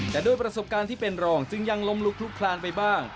แต่ด้วยประสบการณ์ที่เป็นรองจึงยังล้มลุกลุกคลานไปบ้าง